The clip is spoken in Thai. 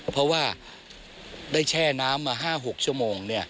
เพราะว่าได้แช่น้ำมา๕๖ชั่วโมง